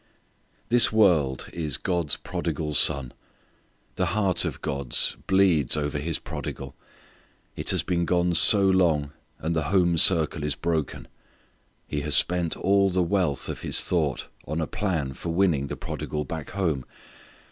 This world is God's prodigal son. The heart of God's bleeds over His prodigal. It has been gone so long, and the home circle is broken. He has spent all the wealth of His thought on a plan for winning the prodigal back home.